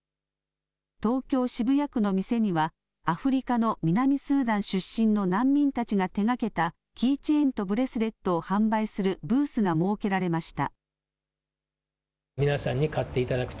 東京・渋谷区の店には、アフリカの南スーダン出身の難民たちが手がけた、キーチェーンとブレスレットを販売するブースが設けられました。